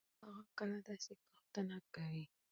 نو هغه کله داسې پوښتنه کوي؟؟